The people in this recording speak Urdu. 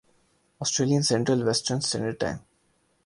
Australian central western standard time